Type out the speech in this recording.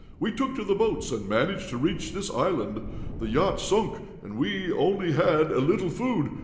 We took to the boats and managed to reach this island. The yacht sunk, and we only had a little food.